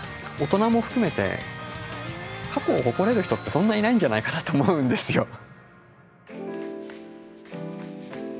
大人も含めて過去を誇れる人ってそんないないんじゃないかなと思うんですよ。